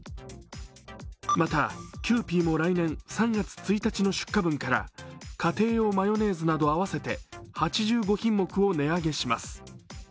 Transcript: またキユーピーも来年３月１日の出荷分から家庭用マヨネーズなど合わせて８５品目を値上げします。